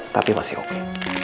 tapi masih oke